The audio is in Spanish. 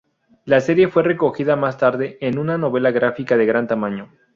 La serie fue recogida más tarde en una novela gráfica de gran tamaño.